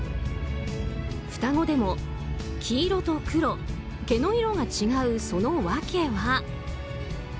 双子でも、黄色と黒毛の色が違うその訳は。